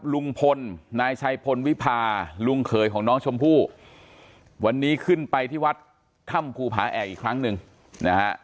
ลุงพลนายชัยพลวิพาลุงเขยของน้องชมพู่วันนี้ขึ้นไปที่วัดถ้ำภูผาแอกอีกครั้งหนึ่งนะฮะ